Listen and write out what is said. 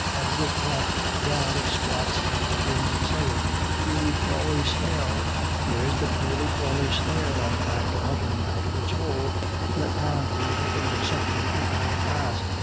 And wid that doun it squats and begins sayin' :' Creely crawly snail — where's the creely crawly snail I'm after huntin' out of its hole ?' Lettin' on to be lookin' for somethin' creepin' in the grass.